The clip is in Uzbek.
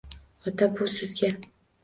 – Ota, bu sizga.